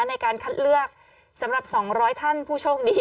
ในการคัดเลือกสำหรับ๒๐๐ท่านผู้โชคดี